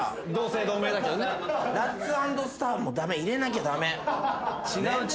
ラッツ＆スターも入れなきゃ駄目。